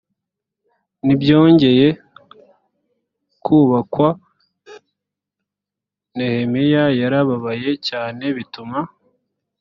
ntibyongeye kubakwa nehemiya yarababaye cyane bituma